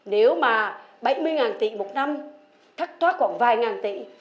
nếu mà bảy mươi tỷ một năm thắt thoát khoảng vài ngàn tỷ